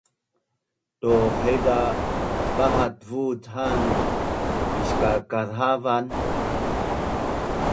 Duq haiza bahatvuc han piskakaz havan?